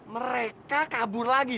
mereka kabur lagi